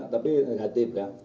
tapi negatif ya